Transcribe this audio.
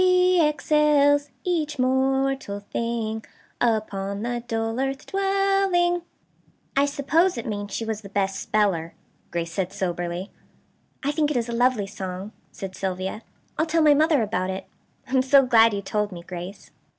She excels each mortal thing, Upon the dull earth dwelling.' "I suppose it means she was the best speller," Grace said soberly. "I think it is a lovely song," said Sylvia. "I'll tell my mother about it. I am so glad you told me, Grace."